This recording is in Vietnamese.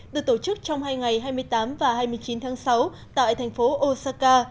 được tổ chức trong hai ngày hai mươi tám và hai mươi chín tháng sáu tại thành phố osaka